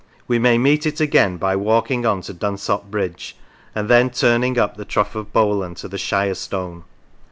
We may meet it again by walking on to Dunsop Bridge, and then turning up the Trough of Bowland to the Shire Stone.